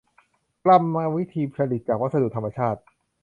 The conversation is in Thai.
กรรมวิธีผลิตจากวัสดุธรรมชาติ